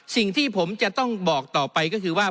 สิ่งที่ผมจะต้องบอกต่อไปก็คือว่า